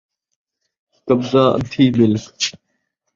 قبضہ ادھی مِلک